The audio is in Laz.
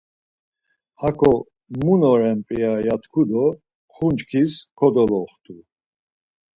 Hako mun oren p̌ia ya tku do ğunçkis kodoloxtu.